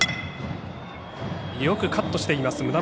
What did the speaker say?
よくカットしています